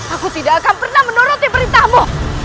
aku tidak akan pernah menyoroti perintahmu